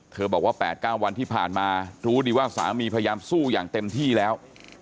บอกว่า๘๙วันที่ผ่านมารู้ดีว่าสามีพยายามสู้อย่างเต็มที่แล้ว